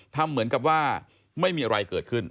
ทำเหมือนกับว่าไม่มีอะไรเกิดขึ้น